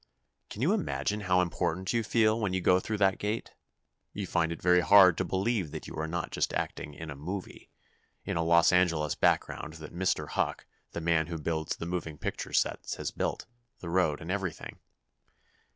Can you imagine how important you feel when you go through that gate? You find it very hard to believe that you are not just acting in a "movie," in a Los Angeles background that Mr. Huck, the man who builds the moving picture sets, has built—the road and everything.